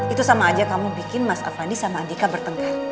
itu sama aja kamu bikin mas afandi sama andika bertengkah